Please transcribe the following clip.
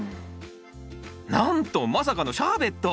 なんとまさかのシャーベット！